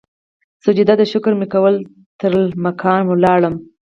سجده د شکر مې کول ترلا مکان ولاړمه